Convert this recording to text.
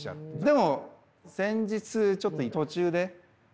でも先日ちょっとえっ！？